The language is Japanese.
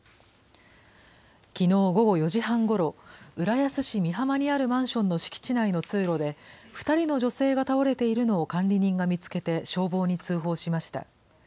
きのう午後４時半ごろ、浦安市美浜にあるマンションの敷地内の通路で２人の女性が倒れているのを管理人が見つけて、消防に通報しました。